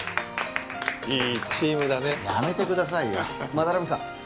いいチームだねやめてくださいよ斑目さん